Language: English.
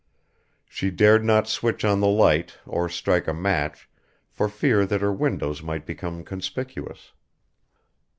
She dared not switch on the light or strike a match for fear that her windows might become conspicuous.